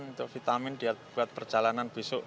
untuk vitamin dia buat perjalanan besok